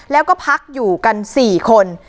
แล้วก็พักอยู่กัน๔คน